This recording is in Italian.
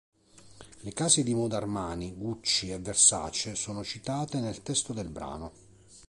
Le case di moda Armani, Gucci e Versace sono citate nel testo del brano.